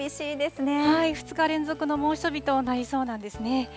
２日連続の猛暑日となりそうなんですね。